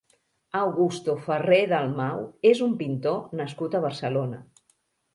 Augusto Ferrer-Dalmau és un pintor nascut a Barcelona.